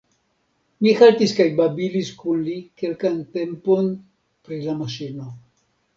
Mi haltis kaj babilis kun li kelkan tempon pri la maŝino.